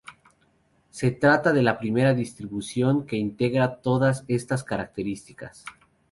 Se trata de la primera distribución que integra todas estas características.